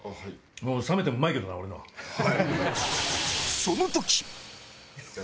冷めてもうまいけどな俺のは。